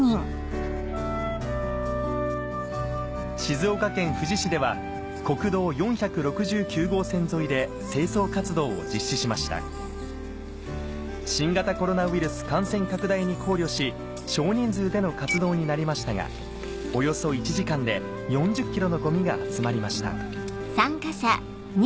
静岡県富士市では国道４６９号線沿いで清掃活動を実施しました新型コロナウイルス感染拡大に考慮し少人数での活動になりましたがおよそ１時間で４０ｋｇのゴミが集まりました